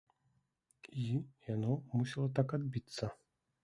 І яно мусіла так адбіцца.